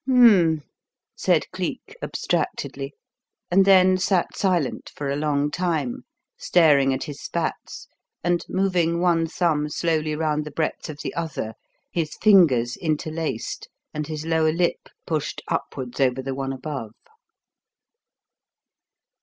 "Hum m m!" said Cleek abstractedly, and then sat silent for a long time, staring at his spats and moving one thumb slowly round the breadth of the other, his fingers interlaced and his lower lip pushed upwards over the one above.